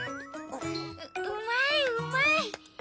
ううまいうまい。